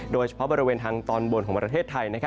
โดยเฉพาะบริเวณทางตอนบนของประเทศไทย